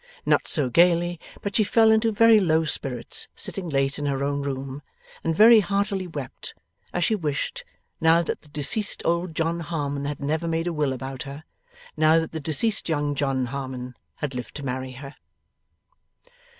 Not so gaily, but that she fell into very low spirits sitting late in her own room, and very heartily wept, as she wished, now that the deceased old John Harmon had never made a will about her, now that the deceased young John Harmon had lived to marry her.